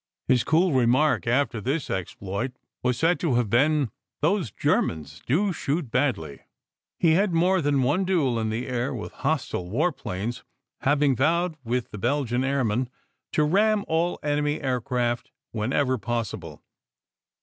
His cool remark after this exploit was said to have been : These Germans do shoot badly ! He had more than one duel in the air with hostile war planes, having vowed with the Belgian airmen to ram all enemy aircraft whenever possible.